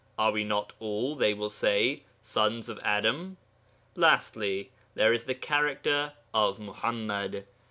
Are we not all (they will say) sons of Adam? Lastly, there is the character of Muḥammad.